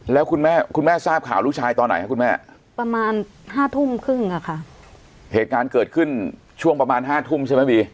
แล้วคุณแม่คุณแม่ทราบข่าวลูกชายตอนไหนคะคุณแม่ประมาณห้าทุ่มครึ่งอะค่ะเหตุการณ์เกิดขึ้นช่วงประมาณห้าทุ่มใช่ไหมบี